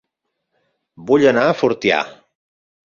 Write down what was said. Vull anar a Fortià